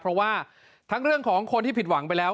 เพราะว่าทั้งเรื่องของคนที่ผิดหวังไปแล้ว